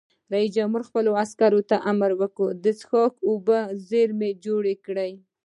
رئیس جمهور خپلو عسکرو ته امر وکړ؛ د څښاک اوبو زیرمې جوړې کړئ!